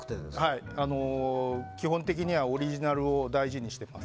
はい、基本的にはオリジナルを大事にしてます。